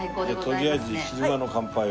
とりあえず昼間の乾杯を。